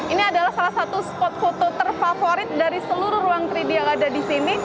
ini adalah salah satu spot foto terfavorit dari seluruh ruang tiga d yang ada di sini